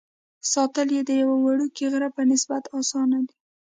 ساتل یې د یوه وړوکي غره په نسبت اسانه دي.